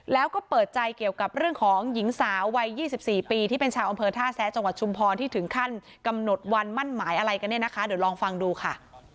แล้วก็เปิดใจเกี่ยวกับเรื่องของหญิงสาววัย๒๔ปีที่เป็นชาวอำเภอท่าแซะจังหวัดชุมพรที่ถึงขั้นกำหนดวันมั่นหมายอะไรกันเนี่ยนะคะเดี๋ยวลองฟังดูค่ะ